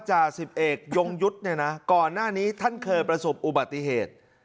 จ่าสิบเอกยงยุทธ์เนี่ยนะก่อนหน้านี้ท่านเคยประสบอุบัติเหตุ